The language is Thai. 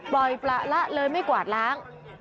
ปล่อยประละเลยไม่กวาดล้าง